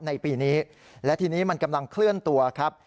ในปีนี้และทีนี้มันกำลังเคลื่อนตัวครับ